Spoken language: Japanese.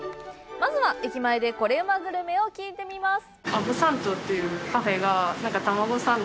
まずは、駅前でコレうまグルメを聞いてみます。